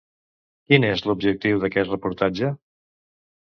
Quin és l'objectiu d'aquest reportatge?